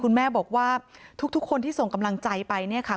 คุณแม่บอกว่าทุกคนที่ส่งกำลังใจไปเนี่ยค่ะ